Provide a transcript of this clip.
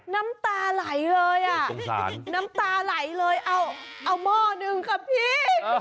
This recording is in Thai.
น้ำตาไหลเลยอ่ะน้ำตาไหลเลยเอาหม้อหนึ่งค่ะพี่